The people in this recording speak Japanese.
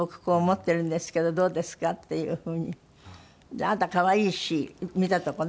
あなた可愛いし見たとこね。